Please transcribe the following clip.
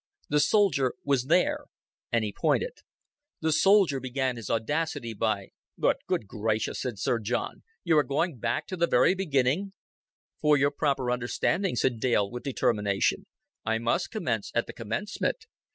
"The soldier was there;" and he pointed. "The soldier began his audacity by " "But, good gracious," said Sir John, "you are going back to the very beginning." "For your proper understanding," said Dale, with determination, "I must commence at the commencement.